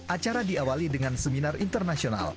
acara diawali dengan seminar internasional